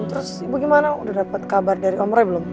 terus ibu gimana udah dapet kabar dari om roy belum